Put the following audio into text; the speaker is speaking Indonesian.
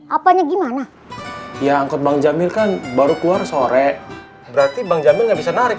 apanya gimana ya angkot bang jamil kan baru keluar sore berarti bang jamil nggak bisa narik